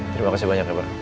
terima kasih banyak ya pak